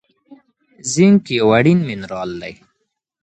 زینک یو اړین منرال دی.